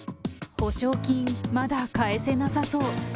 保証金、まだ返せなさそう。